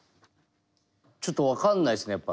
ちょっと分かんないっすねやっぱ。